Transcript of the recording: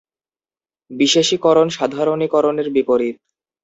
বিশেষীকরণ সাধারণীকরণের বিপরীত।